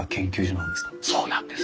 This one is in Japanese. そうなんです。